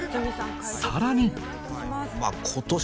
さらに